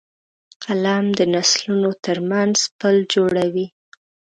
قلم د نسلونو ترمنځ پُل جوړوي